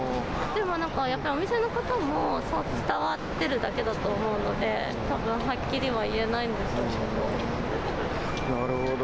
でもなんかやっぱりお店の方も、そう伝わってるだけだと思うので、たぶんはっきりは言えないんでしょうけど。